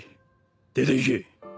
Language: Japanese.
出ていけ。